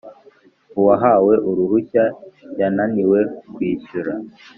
Uwahawe uruhushya yananiwe kwishyura